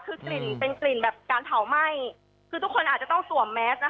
คือกลิ่นเป็นกลิ่นแบบการเผาไหม้คือทุกคนอาจจะต้องสวมแมสนะคะ